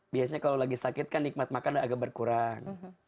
biasanya kalau lagi sakit kan nikmat makan agak berkurang